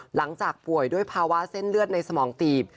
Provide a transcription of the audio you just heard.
หลังจากป่วยด้วยภาวะเส้นเลือดในสมองตีบ